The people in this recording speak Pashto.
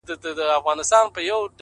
ستا خو د سونډو د خندا خبر په لپه كي وي،